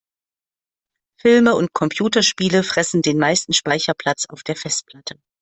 Filme und Computerspiele fressen den meisten Speicherplatz auf der Festplatte.